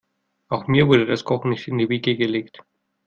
Auch mir wurde das Kochen nicht in die Wiege gelegt.